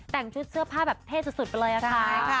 แต่งชุดเสื้อผ้าแบบเท่สุดไปเลยนะคะ